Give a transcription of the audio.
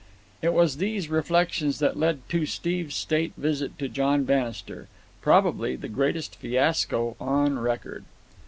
It was these reflections that led to Steve's state visit to John Bannister—probably the greatest fiasco on record.